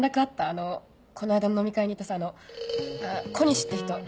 あのこの間の飲み会にいたさぁあの小西って人。